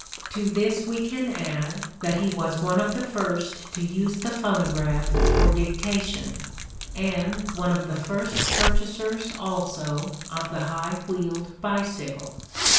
To this we can add that he was one of the first to use the phonograph for dic tation and one of the first purchasers also of the high wheeled bicycle.